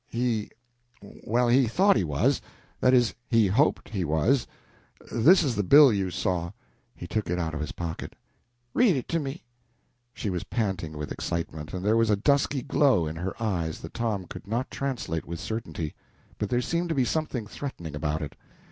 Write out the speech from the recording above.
"He well, he thought he was. That is, he hoped he was. This is the bill you saw." He took it out of his pocket. "Read it to me!" She was panting with excitement, and there was a dusky glow in her eyes that Tom could not translate with certainty, but there seemed to be something threatening about it.